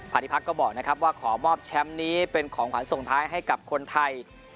ที่พักก็บอกนะครับว่าขอมอบแชมป์นี้เป็นของขวัญส่งท้ายให้กับคนไทย